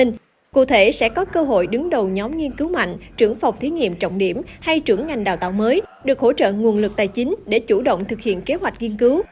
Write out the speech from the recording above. nhóm nghiên cứu mạnh trưởng phòng thí nghiệm trọng điểm hay trưởng ngành đào tạo mới được hỗ trợ nguồn lực tài chính để chủ động thực hiện kế hoạch nghiên cứu